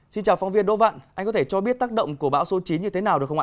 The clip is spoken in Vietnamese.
xin chào phóng viên đỗ vạn anh có thể cho biết tác động của bão số chín như thế nào được không ạ